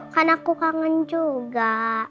kan aku kangen juga